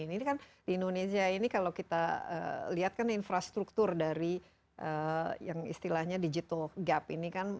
ini kan di indonesia ini kalau kita lihat kan infrastruktur dari yang istilahnya digital gap ini kan